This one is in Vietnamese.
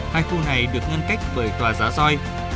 hai khu này được ngăn cách với tòa giá roi